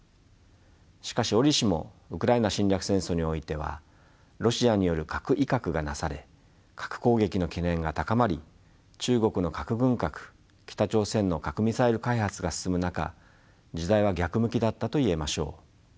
しかし折しもウクライナ侵略戦争においてはロシアによる核威嚇がなされ核攻撃の懸念が高まり中国の核軍拡北朝鮮の核ミサイル開発が進む中時代は逆向きだったと言えましょう。